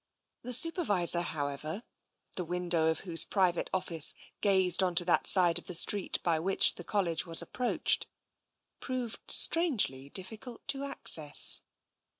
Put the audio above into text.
The Supervisor, however — the window of whose private office gazed on to that side of the street by which the College was approached — proved strangely difficult of access.